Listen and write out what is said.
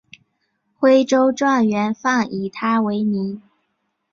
徽州状元饭以他为名。